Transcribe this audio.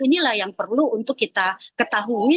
inilah yang perlu untuk kita ketahui